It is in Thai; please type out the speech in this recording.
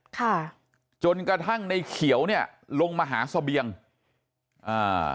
ค่ะจนกระทั่งในเขียวเนี้ยลงมาหาเสบียงอ่า